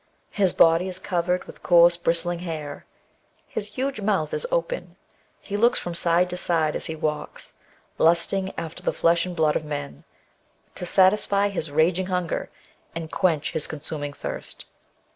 His body is covered with coarse bristling hair, his huge mouth is open, he looks from side to side as he walks, lusting after the flesh and blood of men, to satisfy his raging hunger, and quench his consuming thirst.